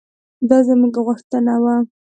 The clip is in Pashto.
دا زموږ غوښتنه وه.